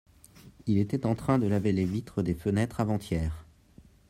il était en train de laver les vitres des fenêtres avant-hier.